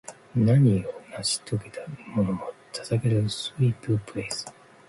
何かを成し遂げたものへ捧げるスウィープフレーズ